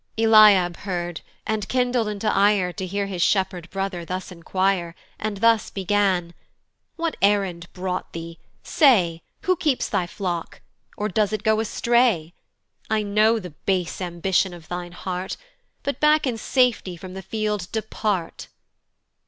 Eliab heard, and kindled into ire To hear his shepherd brother thus inquire, And thus begun: "What errand brought thee? say "Who keeps thy flock? or does it go astray? "I know the base ambition of thine heart, "But back in safety from the field depart."